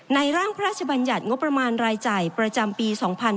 ร่างพระราชบัญญัติงบประมาณรายจ่ายประจำปี๒๕๕๙